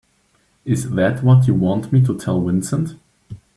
Is that what you want me to tell Vincent?